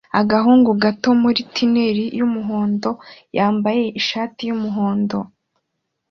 Agahungu gato muri tunnel yumuhondo yambaye ishati yumuhondo